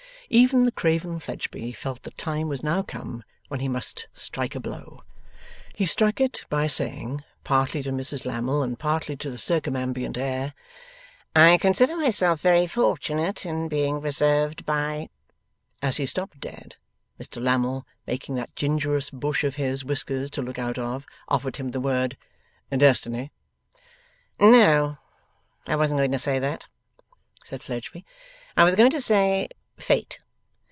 Even the craven Fledgeby felt that the time was now come when he must strike a blow. He struck it by saying, partly to Mrs Lammle and partly to the circumambient air, 'I consider myself very fortunate in being reserved by ' As he stopped dead, Mr Lammle, making that gingerous bush of his whiskers to look out of, offered him the word 'Destiny.' 'No, I wasn't going to say that,' said Fledgeby. 'I was going to say Fate.